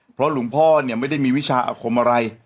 เพราะหลวงพ่อเนี่ยไม่ได้มีวิชาอาคมอะไร